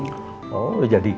oh udah jadi